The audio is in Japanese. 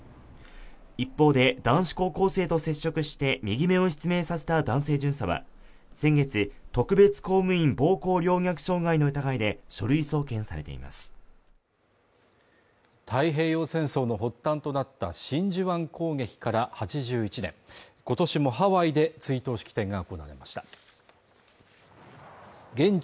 一方で男子高校生と接触して右目を失明させた男性巡査は先月、特別公務員暴行陵虐傷害の疑いで書類送検されています太平洋戦争の発端となった真珠湾攻撃から８１年今年もハワイで追悼式典が行われました現地